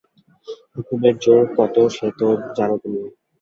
হুকুমের জোর কত সে তো জান তুমি।